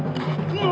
うわ。